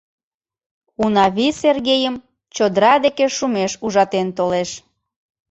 ...Унавий Сергейым чодыра деке шумеш ужатен толеш.